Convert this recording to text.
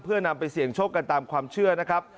เพื่อนำไปเสี่ยงโชคกันตามความเชื่อนะครับ